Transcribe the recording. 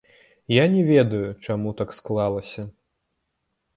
Я не ведаю, чаму так склалася.